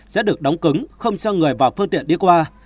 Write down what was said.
sẽ được đóng cứng không cho người vào phương tiện đi qua